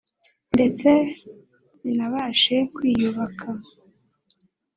ndetse binabashe kwiyubaka